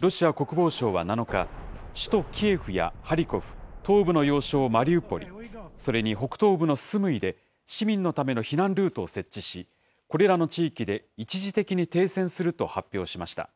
ロシア国防省は７日、首都キエフやハリコフ、東部の要衝マリウポリ、それに北東部のスムイで、市民のための避難ルートを設置し、これらの地域で一時的に停戦すると発表しました。